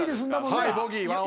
はいボギー。